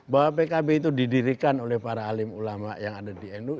bahwa pkb itu didirikan oleh para alim ulama yang ada di nu